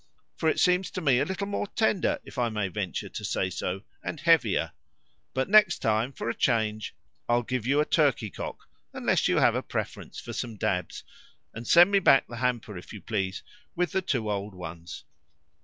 For it seems to me a little more tender, if I may venture to say so, and heavier. But next time, for a change, I'll give you a turkeycock, unless you have a preference for some dabs; and send me back the hamper, if you please, with the two old ones.